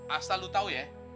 asal lo tau ya